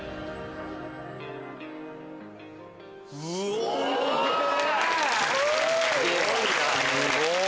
すごい！